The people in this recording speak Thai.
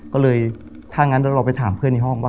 ก็เลยถ้างั้นเราไปถามเพื่อนในห้องว่า